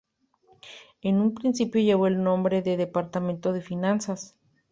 En un principio llevó el nombre de "Departamento de finanzas".